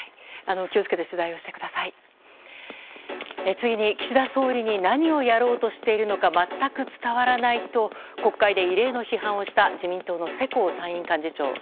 次に岸田総理に何をやろうとしているのか全く伝わらないと国会で異例の批判をした自民党の世耕参院幹事長。